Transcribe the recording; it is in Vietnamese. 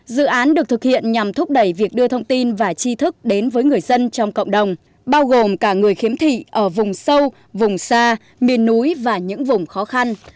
dự án được thực hiện nhằm thúc đẩy việc đưa thông tin và chi thức đến với người dân trong cộng đồng bao gồm cả người khiếm thị ở vùng sâu vùng xa miền núi và những vùng khó khăn